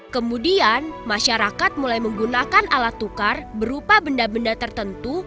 kemudian masyarakat mulai menggunakan alat tukar berupa benda benda tertentu